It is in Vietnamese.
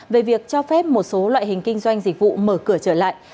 về việc cho phép một số loại hình kinh doanh dịch vụ mở cửa trở lại